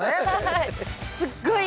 はい。